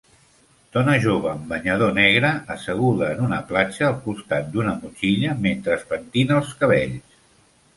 Dona jove amb banyador negre asseguda en una platja al costat d'una motxilla mentre es pentina els cabells.